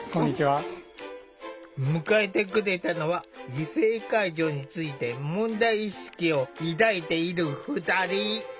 迎えてくれたのは異性介助について問題意識を抱いている２人。